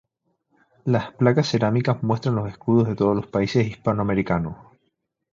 Las placas de cerámica muestran los escudos de todos los países hispanoamericanos.